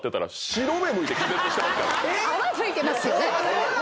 泡吹いてますよね。